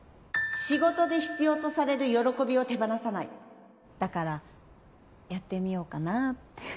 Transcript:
仕事で必要とされる喜びを手放さないだからやってみようかなって。